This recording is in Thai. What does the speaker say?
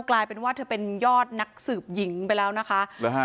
กลายเป็นว่าเธอเป็นยอดนักสืบหญิงไปแล้วนะคะหรือฮะ